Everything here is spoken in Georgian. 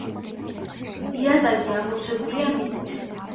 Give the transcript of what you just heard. იატაკი ამოვსებულია მიწით.